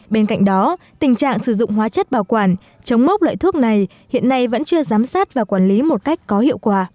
bên cạnh đó tình trạng sử dụng hóa chất bảo quản chống mốc loại thuốc này hiện nay vẫn chưa giám sát và quản lý một cách có hiệu quả